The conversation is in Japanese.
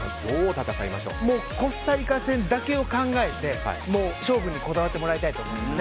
もうコスタリカ戦だけを考えて勝負にこだわってもらいたいと思います。